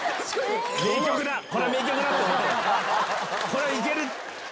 「これはいける」。